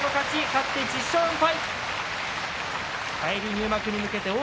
勝って１０勝４敗。